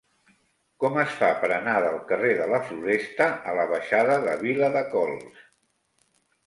Com es fa per anar del carrer de la Floresta a la baixada de Viladecols?